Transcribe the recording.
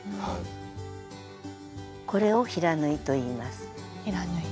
これを「平縫い」といいます。